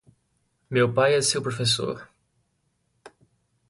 Meu pai é seu professor.